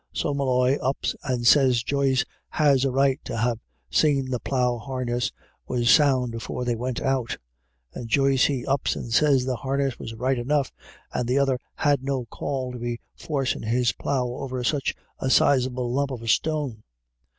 So Molloy ups and sez Joyce had a right to ha* seen the plough harness was sound afore they went out ; and Joyce he ups and sez the harness was right enough, and the other had no call to be forcin' his plough over such a sizeable lump of a stone.